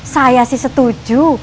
saya sih setuju